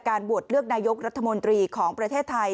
โหวตเลือกนายกรัฐมนตรีของประเทศไทย